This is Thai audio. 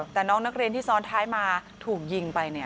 แต่น้องนักเรียนที่ซ้อนท้ายมาถูกยิงไป